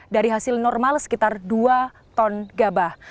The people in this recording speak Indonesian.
dari hasil normal sekitar dua ton gabah